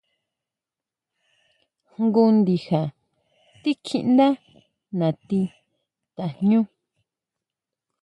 Jngu ndija tikjíʼndá natí tajñú.